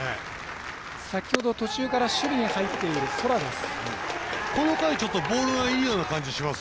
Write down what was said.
先ほど、途中から守備に入っている空です。